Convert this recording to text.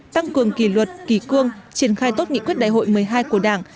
tăng cường kỷ luật kỳ cương triển khai tốt nghị quyết đại hội một mươi hai của đảng